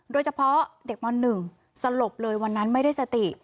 โดยเฉพาะเด็กม๑สลบเลยวันนั้นไม่ได้สติ